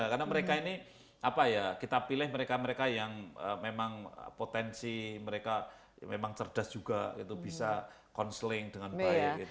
karena mereka ini apa ya kita pilih mereka mereka yang memang potensi mereka memang cerdas juga gitu bisa counseling dengan baik gitu